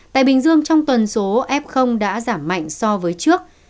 tại bình dương trong tuần số f đã giảm mạnh so với trước